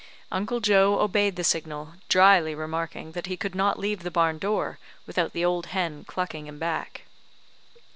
Uncle Joe obeyed the signal, drily remarking that he could not leave the barn door without the old hen clucking him back.